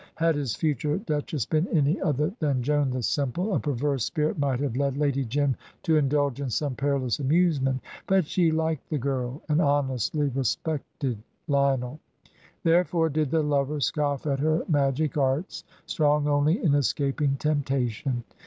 Had his future Duchess been any other than Joan the simple, a perverse spirit might have led Lady Jim to indulge in some perilous amusement; but she liked the girl, and honestly respected Lionel. Therefore did the lover scoff at her magic arts, strong only in escaping temptation.